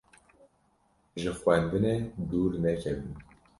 Ji xwendinê dûr nekevin!